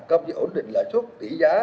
không chỉ ổn định lợi chốt tỷ giá